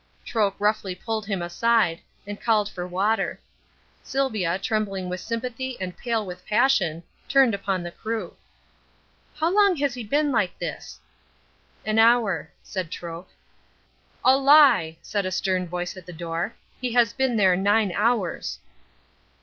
Troke roughly pulled him aside, and called for water. Sylvia, trembling with sympathy and pale with passion, turned upon the crew. "How long has he been like this?" "An hour," said Troke. "A lie!" said a stern voice at the door. "He has been there nine hours!"